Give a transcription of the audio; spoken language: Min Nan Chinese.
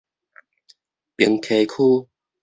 平溪區